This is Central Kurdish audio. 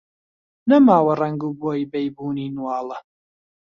نەماوە ڕەنگ و بۆی بەیبوونی نواڵە